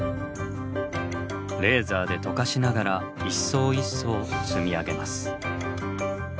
レーザ−で溶かしながら一層一層積み上げます。